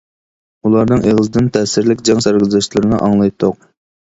ئۇلارنىڭ ئېغىزىدىن تەسىرلىك جەڭ سەرگۈزەشتلىرىنى ئاڭلايتتۇق.